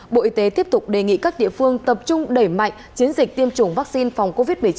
bộ y tế tiếp tục đề nghị các địa phương tập trung đẩy mạnh chiến dịch tiêm chủng vaccine phòng covid một mươi chín